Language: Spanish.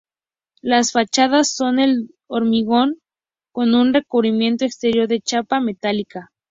Las fachadas son de hormigón con un recubrimiento exterior de chapa metálica.